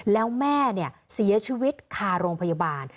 แล้วแม่เสียชีวิตคาโรงพยาบาล